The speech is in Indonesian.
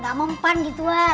gak mau empan gituan